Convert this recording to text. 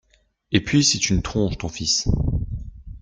Et puis, c’est une tronche ton fils